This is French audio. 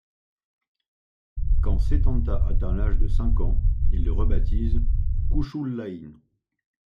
Quand Setanta atteint l'âge de cinq ans, il le rebaptise Cúchulainn.